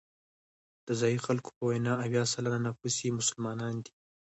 د ځایي خلکو په وینا اویا سلنه نفوس یې مسلمانان دي.